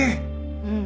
うん。